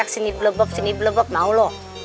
sini belebok sini belebok mau lo